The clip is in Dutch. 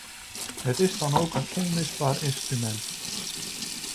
Het is dan ook een onmisbaar instrument.